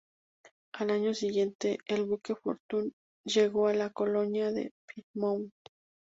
Al año siguiente el buque Fortune llegó a la colonia de Plymouth.